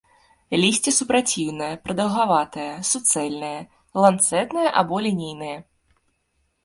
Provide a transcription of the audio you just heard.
Лісце супраціўнае, прадаўгаватае, суцэльнае, ланцэтнае або лінейнае.